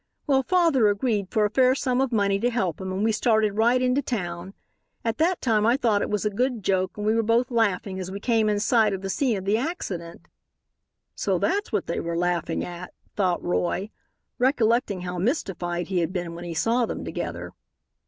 "Well, father agreed, for a fair sum of money, to help him, and we started right into town. At that time I thought it was a good joke, and we were both laughing as we came in sight of the scene of the accident." "So that's what they were laughing at," thought Roy, recollecting how mystified he had been when he saw them together.